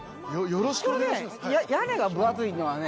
屋根が分厚いのはね。